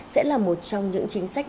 sẽ là một trong những chính sách